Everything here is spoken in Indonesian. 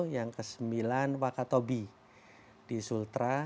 yang kesembilan wakatobi di sultra